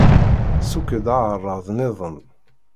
Sukk-d aεṛaḍ-nniḍen.